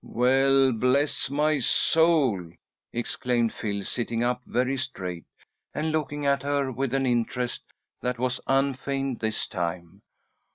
"Well, bless my soul!" exclaimed Phil, sitting up very straight, and looking at her with an interest that was unfeigned this time.